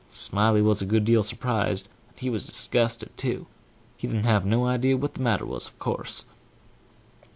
Smiley was a good deal surprised, and he was disgusted too, but he didn't have no idea what the matter was, of course.